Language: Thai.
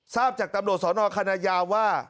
ทราบจากตำรวจสอนอคันนายาวว่า